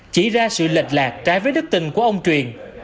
chỉ ra sự lệch lạc trái với đức tình của ông truyền